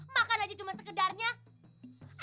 makan aja cuma sekedarnya